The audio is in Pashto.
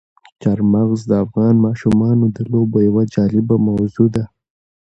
چار مغز د افغان ماشومانو د لوبو یوه جالبه موضوع ده.